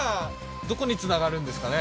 どこにつながるんですかね？